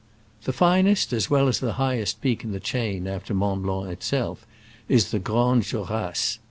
The finest as well as the highest peak in the chain (after Mont Blanc itself) is the Grandes Jorasses.